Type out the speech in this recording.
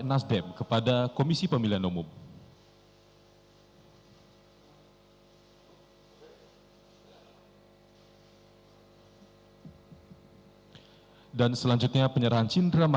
assalamualaikum wr wb